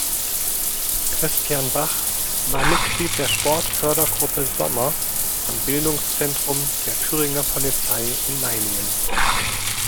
Christian Bach war Mitglied der Sportfördergruppe „Sommer“ am Bildungszentrum der Thüringer Polizei in Meiningen.